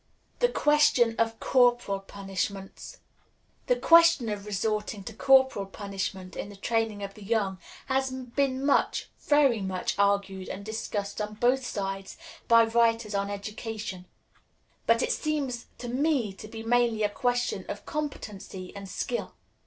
The Question of Corporal Punishment. The question of resorting to corporal punishment in the training of the young has been much, very much, argued and discussed on both sides by writers on education; but it seems to me to be mainly a question of competency and skill.